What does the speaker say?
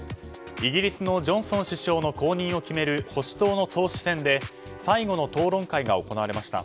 イギリスのジョンソン首相の後任を決める保守党の党首選で最後の討論会が行われました。